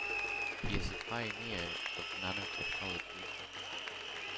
He is a pioneer of nanotechnology.